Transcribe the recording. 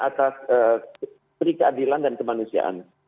atas perikeadilan dan kemanusiaan